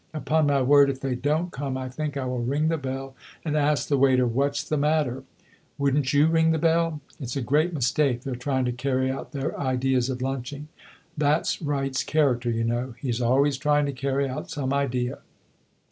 Upon my word, if they don't come, I think I will ring the bell and ask the waiter what 's the matter. Would n't you ring the bell? It 's a great mistake, their trying to carry out their ideas of lunching. That 's Wright's character, you know; he 's always trying to carry out some idea.